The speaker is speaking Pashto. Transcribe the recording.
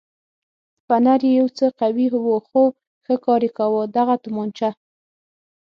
فنر یې یو څه قوي و خو ښه کار یې کاوه، دغه تومانچه.